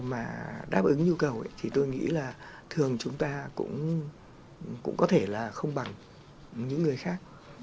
mà đáp ứng nhu cầu thì tôi nghĩ là thường chúng ta cũng có thể là không bằng những người khác